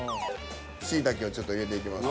シイタケをちょっと入れていきます。